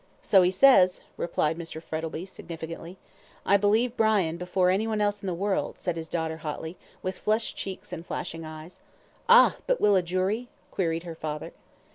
"So he says," replied Mr. Frettlby, significantly. "I believe Brian before any one else in the world," said his daughter, hotly, with flushed cheeks and flashing eyes. "Ah! but will a jury?" queried her father.